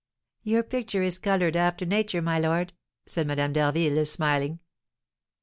'" "Your picture is coloured after nature, my lord," said Madame d'Harville, smiling.